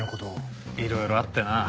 いろいろあってな。